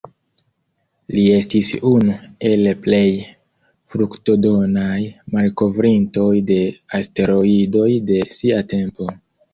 Li estis unu el plej fruktodonaj malkovrintoj de asteroidoj de sia tempo.